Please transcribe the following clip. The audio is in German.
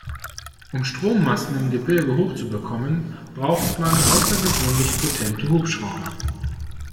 Um Strommasten im Gebirge hoch zu bekommen, braucht man außergewöhnlich potente Hubschrauber.